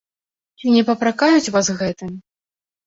Ці не папракаюць вас гэтым?